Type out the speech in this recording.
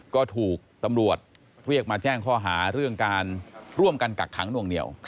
ก็ถูกตำรวจเรียกมาแจ้งข้อหาเรื่องการร่วมกันกักขังหน่วงเหนียว